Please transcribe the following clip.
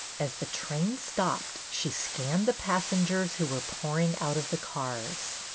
As the train stopped, she scanned the passengers who were pouring out of the cars.